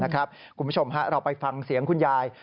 คุณผู้ชมเราไปฟังเสียงคุณยาย